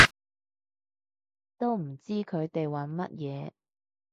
都唔知佢哋玩乜嘢